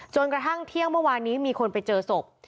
กระทั่งเที่ยงเมื่อวานนี้มีคนไปเจอศพ